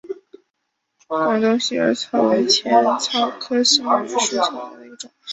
广东新耳草为茜草科新耳草属下的一个种。